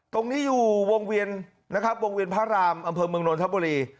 ตรงนี้อยู่วงเวียนพระรามอำเภอเมืองนทัพบุรี